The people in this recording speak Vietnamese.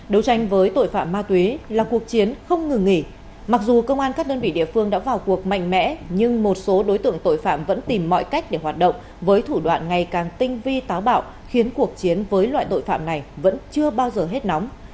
đấu tranh với tội phạm ma túy là cuộc chiến không ngừng nghỉ mặc dù công an các đơn vị địa phương đã vào cuộc mạnh mẽ nhưng một số đối tượng tội phạm vẫn tìm mọi cách để hoạt động với thủ đoạn ngày càng tinh vi táo bạo khiến cuộc chiến với loại tội phạm này vẫn chưa bao giờ hết nóng